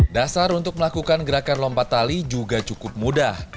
dasar untuk melakukan gerakan lompat tali juga cukup mudah